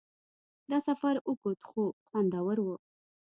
دا سفر اوږد خو خوندور و.